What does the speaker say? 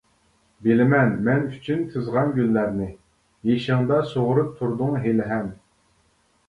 بىلىمەن مەن ئۈچۈن تىزغان گۈللەرنى، يېشىڭدا سۇغىرىپ تۇردۇڭ ھېلىھەم.